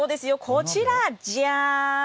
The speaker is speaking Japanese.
こちら、じゃーん。